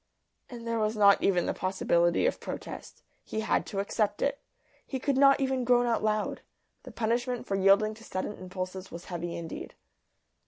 And there was not even the possibility of protest. He had to accept it. He could not even groan out loud. The punishment for yielding to sudden impulses was heavy indeed.